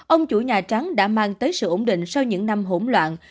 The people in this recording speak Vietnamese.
ông chủ nhà trắng đã mang tới sự ổn định sau những năm hỗn loạn